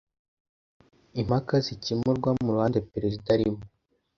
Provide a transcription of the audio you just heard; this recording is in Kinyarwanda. impaka zikemurwa muruhande perezida arimo